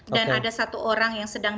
ada satu orang yang sedang